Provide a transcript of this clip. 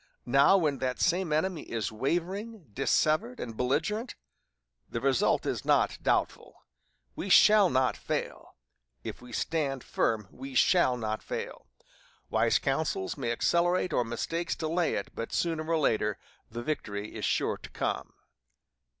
now, when that same enemy is wavering, dissevered, and belligerent? The result is not doubtful. We shall not fail if we stand firm, we shall not fail. Wise counsels may accelerate or mistakes delay it, but, sooner or later, the victory is sure to come."